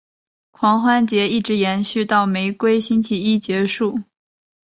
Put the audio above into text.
狂欢节一直延续到玫瑰星期一结束。